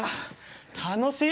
楽しい！